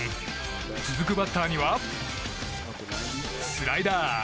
続くバッターにはスライダー！